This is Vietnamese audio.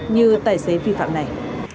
như tài xế vi phạm này